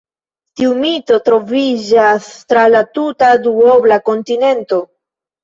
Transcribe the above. Tiu mito troviĝas tra la tuta duobla kontinento.